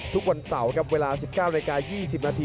ทุกวันเสาร์ครับเวลา๑๙นาที๒๐นาที